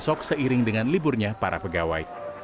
esok seiring dengan liburnya para pegawai